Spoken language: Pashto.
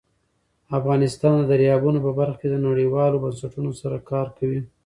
افغانستان د دریابونه په برخه کې نړیوالو بنسټونو سره کار کوي.